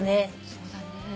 そうだね。